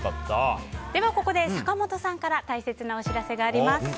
ここで、坂本さんから大切なお知らせがあります。